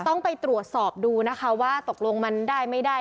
ต้องไปตรวจสอบดูนะคะว่าตกลงมันได้ไม่ได้